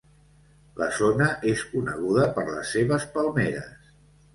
La zona és coneguda per les seves palmeres.